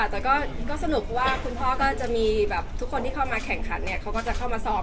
แต่ก็สนุกว่าคุณพ่อก็จะมีทุกคนที่เข้ามาแข่งฆันเนี่ยเขาก็จะเข้ามาซ้อม